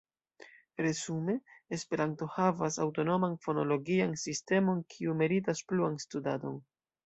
Resume, Esperanto havas aŭtonoman fonologian sistemon, kiu meritas pluan studadon.